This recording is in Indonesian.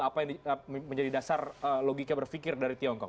apa yang menjadi dasar logika berpikir dari tiongkok